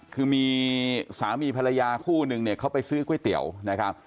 คือมีสามีภรรยาคู่นึงเนี่ยเขาไปซื้อก๋วยเตี๋ยวนะครับ